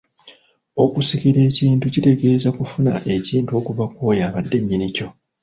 Okusikira ekintu kitegeeza kufuna ekintu okuva kwoyo abadde nnyinikyo